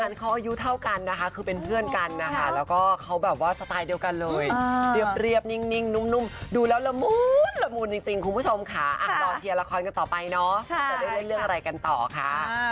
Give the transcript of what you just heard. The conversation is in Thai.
ละครกันต่อไปเนาะจะได้เล่นเรื่องอะไรกันต่อค่ะ